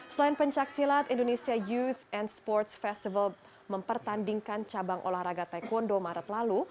selain pencaksilat indonesia youth and sports festival mempertandingkan cabang olahraga taekwondo maret lalu